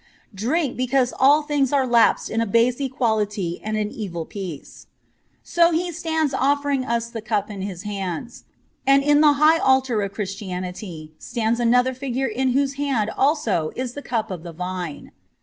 Drink, because all things are lapsed in a base equality and an evil peace.' So he stands offering us the cup in his hands. And in the high altar of Christianity stands another figure in whose hand also is the cup of the vine.